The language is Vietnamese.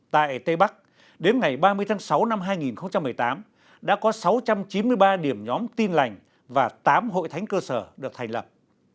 tại tây bắc đến ngày ba mươi tháng sáu năm hai nghìn một mươi tám đã có sáu trăm chín mươi ba điểm nhóm tin lành và tám hội thánh cơ sở được thành lập